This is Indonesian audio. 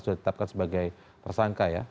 sudah ditetapkan sebagai tersangka